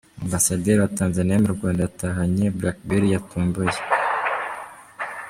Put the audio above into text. Ambasaderi wa Tanzaniya mu Rwanda yatahanye BlackBerry yatomboye.